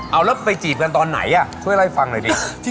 เอาแล้วไปจีบกันตอนไหนช่วยเล่าให้ฟังหน่อยดิ